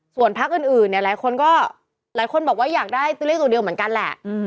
ส่วนพักอื่นหลายคนบอกว่าอยากได้เลขตัวเดียวเหมือนกันแหละ